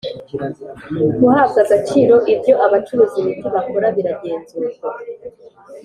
guhabwa agaciro ibyo abacuruza imiti bakora biragenzurwa